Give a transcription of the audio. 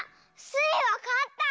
スイわかった！